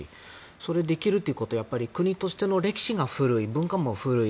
それできるということは国としての歴史が古い、文化も古い。